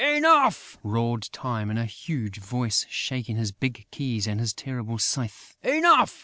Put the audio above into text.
Enough!" roared Time, in a huge voice, shaking his big keys and his terrible scythe, "Enough!